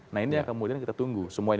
nah ini yang kemudian kita tunggu semua